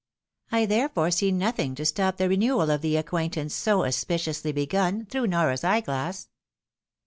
I therefore see nothing to stop the re newal of the acquaintance so auspiciously begun through Nora's eyeglass."